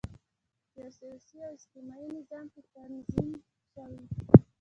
په یوه سیاسي او اجتماعي نظام کې تنظیم شوي.